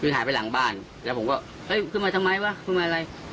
คือหายไปหลังบ้านแล้วผมก็เฮ้ยขึ้นมาทำไมวะขึ้นมาอะไร